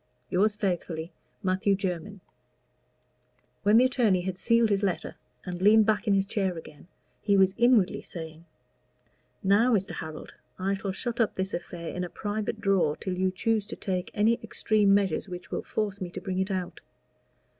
Yours faithfully, MATTHEW JERMYN. When the attorney had sealed this letter and leaned back in his chair again, he was inwardly saying "Now, Mr. Harold, I shall shut up this affair in a private drawer till you choose to take any extreme measures which will force me to bring it out.